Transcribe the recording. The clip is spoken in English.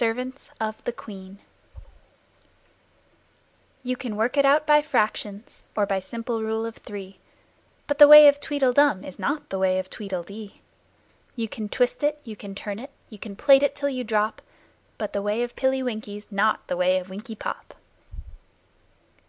Her Majesty's Servants You can work it out by Fractions or by simple Rule of Three, But the way of Tweedle dum is not the way of Tweedle dee. You can twist it, you can turn it, you can plait it till you drop, But the way of Pilly Winky's not the way of Winkie Pop!